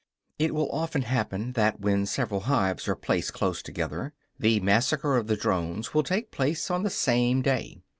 It will often happen that, when several hives are placed close together, the massacre of the drones will take place on the same day.